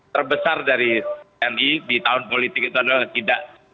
terbesar dari tni di tahun politik itu adalah tidak